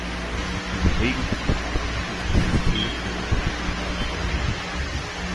In der Regel gibt es ein abgestuftes System mit unterschiedlichen Anforderungen.